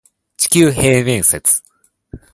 地球平面説